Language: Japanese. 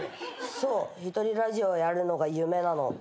「そう１人ラジオやるのが夢なの」